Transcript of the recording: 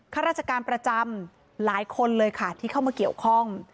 ข้าราชการประจำหลายคนเลยค่ะที่เข้ามาเกี่ยวข้อง